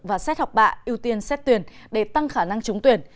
và xét học bạ ưu tiên xét tuyển để tăng khả năng trúng tuyển